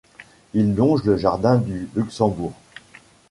Il longe le jardin du Luxembourg.